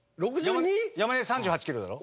山根３８キロだろ？